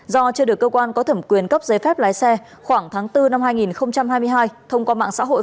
do chưa được cơ quan có thẩm quyền cấp giấy phép lái xe khoảng tháng bốn năm hai nghìn hai mươi hai thông qua mạng xã hội